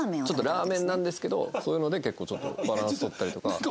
ちょっとラーメンなんですけどそういうので結構ちょっとバランス取ったりとか。